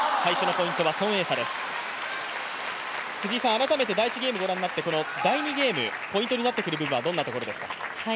改めて第１ゲームご覧になって、第２ゲームポイントになってくるところはどんなところですか？